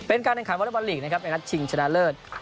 เป็นการแบบถ่ายวอเล็กบอลหลีกเป็นความชิงถ่ายชนะเลิศ